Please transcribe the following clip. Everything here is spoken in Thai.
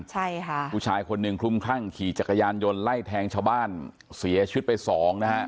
ใช่ค่ะผู้ชายคนหนึ่งคลุมคลั่งขี่จักรยานยนต์ไล่แทงชาวบ้านเสียชีวิตไปสองนะฮะ